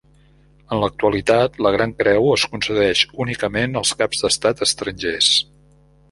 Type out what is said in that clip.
En l'actualitat la Gran Creu es concedeix únicament als caps d'estat estrangers.